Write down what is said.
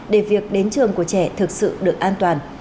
để việc đến trường của trẻ thực sự được an toàn